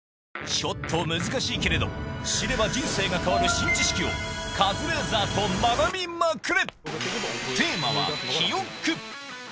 ちょっと難しいけれど知れば人生が変わる新知識をカズレーザーと学びまくれ！